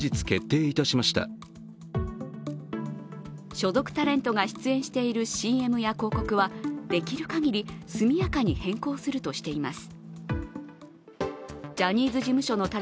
所属タレントが出演しているＣＭや広告はできる限り速やかに変更するとしています。